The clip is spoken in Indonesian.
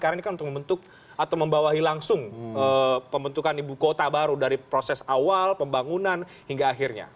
karena ini kan untuk membentuk atau membawahi langsung pembentukan ibu kota baru dari proses awal pembangunan hingga akhirnya